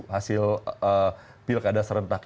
hasil pilkada serentak